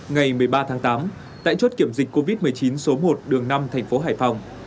ngày một mươi ba tháng tám tại chốt kiểm dịch covid một mươi chín số một đường năm thành phố hải phòng